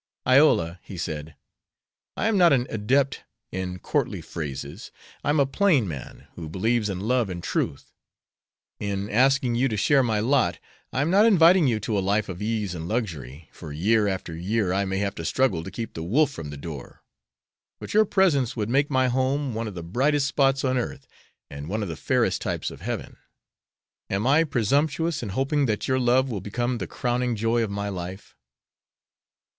"Iola," he said, "I am not an adept in courtly phrases. I am a plain man, who believes in love and truth. In asking you to share my lot, I am not inviting you to a life of ease and luxury, for year after year I may have to struggle to keep the wolf from the door, but your presence would make my home one of the brightest spots on earth, and one of the fairest types of heaven. Am I presumptuous in hoping that your love will become the crowning joy of my life?"